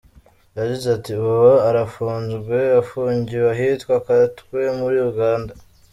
Yagize ati “Ubu arafunzwe, afungiwe ahitwa Katwe muri Uganda.